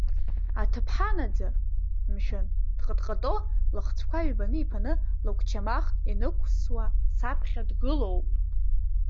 Аҭыԥҳанаӡа, мшәан, дҟатҟато, лыхцәқәа ҩбаны иԥаны лыгәчамах инықәсуа саԥхьа дгылоуп.